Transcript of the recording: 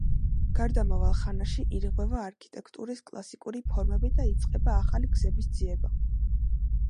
გარდამავალ ხანაში ირღვევა არქიტექტურის კლასიკური ფორმები და იწყება ახალი გზების ძიება.